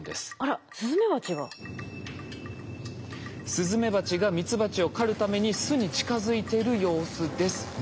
スズメバチがミツバチを狩るために巣に近づいてる様子です。